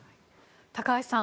高橋さん